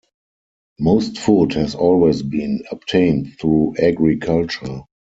Most food has always been obtained through agriculture.